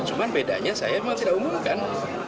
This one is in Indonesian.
cuman bedanya saya masih tidak umumkan